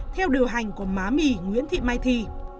theo điều hành của má mì nguyễn thị mai thì